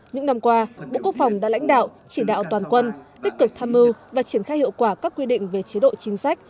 những năm qua bộ quốc phòng đã lãnh đạo chỉ đạo toàn quân tích cực tham mưu và triển khai hiệu quả các quy định về chế độ chính sách